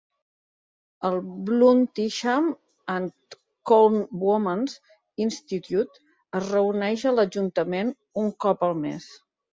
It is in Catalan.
El Bluntisham and Colne Women's Institute es reuneix a l'ajuntament un cop al mes.